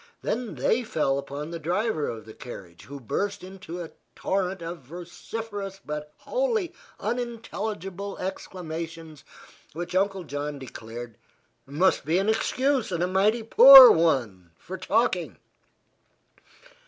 Then they fell upon the driver of the carriage, who burst into a torrent of vociferous but wholly unintelligible exclamations which Uncle John declared "must be an excuse and a mighty poor one for talking."